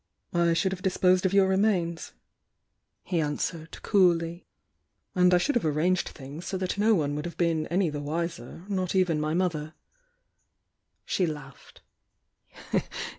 "I should have disposed of your remains," he an swered, coolly. "And I should have arranged things I H: 208 THE YOUNG DIANA II so that no one would have been any the wiser— not even my motiier." She laughed.